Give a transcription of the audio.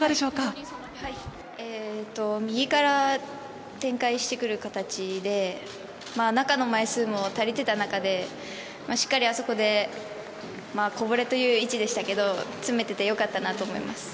右から展開してくる形で、中の枚数も足りていた中でしっかりあそこで、こぼれという位置でしたけれど、詰めていてよかったと思います。